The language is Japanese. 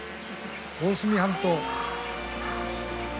大隅半島。